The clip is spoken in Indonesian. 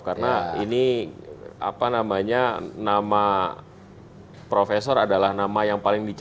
karena ini apa namanya nama profesor adalah nama yang paling dipercaya